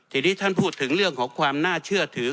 ทีนี้ท่านพูดถึงเรื่องของความน่าเชื่อถือ